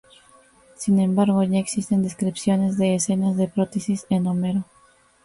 Sin embargo, ya existen descripciones de escenas de prótesis en Homero.